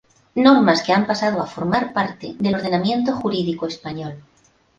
Normas que han pasado a formar parte del ordenamiento jurídico español.